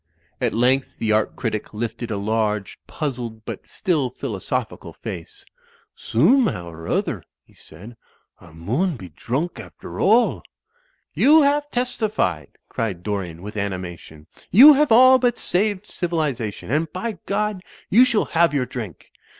At length the art critic lifted a large, puzzled but still philosophical face. "Soomehow or other," he said, "a' mun be droonk after all." "You have testified," cried Dorian with animation. "You have all but saved civilization. And by Grod, you shall have your drink."